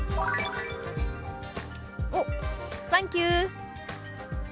「おサンキュー」。